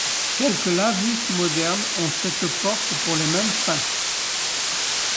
Quelques lavvus modernes ont cette porte pour les mêmes fins.